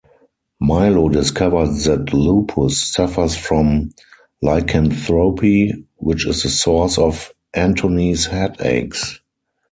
Milo discovers that Lupus suffers from lycanthropy, which is the source of Anthony's headaches.